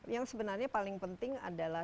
yang sebenarnya paling penting adalah